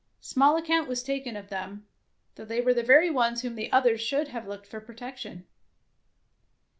Small account was taken of them, though they were the very ones to whom the others should have looked for protection.